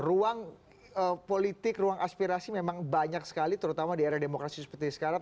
ruang politik ruang aspirasi memang banyak sekali terutama di era demokrasi seperti sekarang